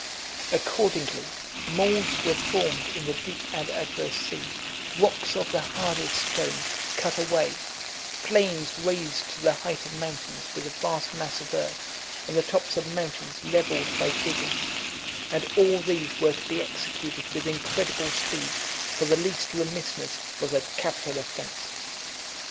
Accordingly, moles were formed in the deep and adverse sea , rocks of the hardest stone cut away, plains raised to the height of mountains with a vast mass of earth, and the tops of mountains levelled by digging; and all these were to be executed with incredible speed, for the least remissness was a capital offence.